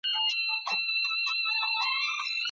د رسول اکرم صلی الله عليه وسلم د حکم مطابق ثابت دی.